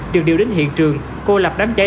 được điều đến hiện trường cô lập đám cháy